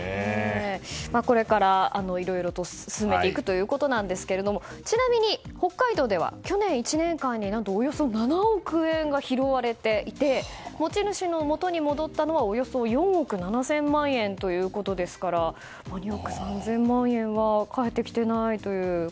これからいろいろと進めていくということですけどもちなみに北海道では去年１年間におよそ７億円が拾われていて持ち主の元に戻ったのはおよそ４億７０００万円ということですから２億３０００万円は返ってきてない